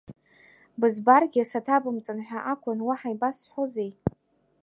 Бызбаргьы саҭабымҵан ҳәа акәын, уаҳа ибасҳәозеи!